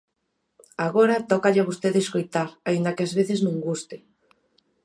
Agora tócalle a vostede escoitar, aínda que ás veces non guste.